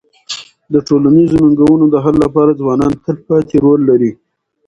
د ټولنیزو ننګونو د حل لپاره ځوانان تلپاتې رول لري.